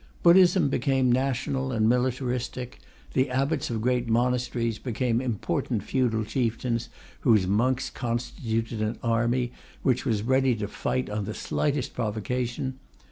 Buddhism became national and militaristic; the abbots of great monasteries became important feudal chieftains, whose monks constituted an army which was ready to fight on the slightest provocation.